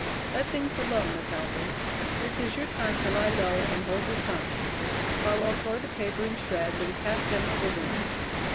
"Let things alone, McAlpin. This is your time to lie low and hold your tongue." Farwell tore the paper in shreds and cast them to the wind.